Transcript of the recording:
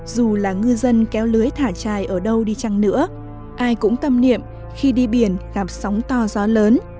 dù là ngư dân kéo lưới thả trài ở đâu đi chăng nữa ai cũng tâm niệm khi đi biển gặp sóng to gió lớn